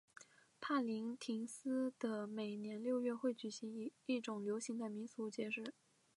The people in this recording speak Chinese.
帕林廷斯的每年六月会举行一种流行的民俗节日。